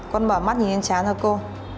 con bảo mắt nhìn đến chán cho cô